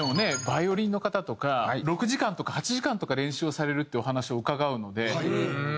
バイオリンの方とか６時間とか８時間とか練習をされるってお話を伺うので。